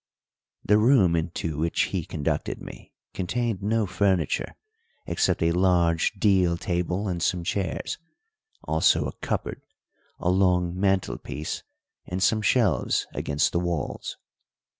The room into which he conducted me contained no furniture except a large deal table and some chairs; also a cupboard, a long mantelpiece, and some shelves against the walls.